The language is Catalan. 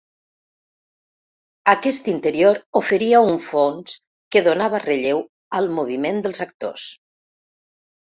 Aquest interior oferia un fons que donava relleu al moviment dels actors.